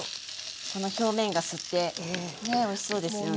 この表面が吸ってねっおいしそうですよね。